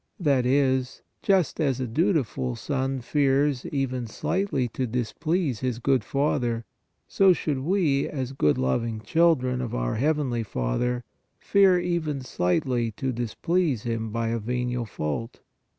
That is, just as a dutiful son fears even slightly to displease his good father, so should we, as good, loving children of our heavenly Father, fear even slightly to displease Him by a venial fault.